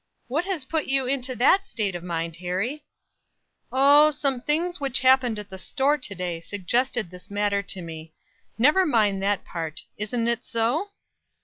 "What has put you into that state of mind, Harry?" "O, some things which happened at the store to day suggested this matter to me. Never mind that part. Isn't it so?"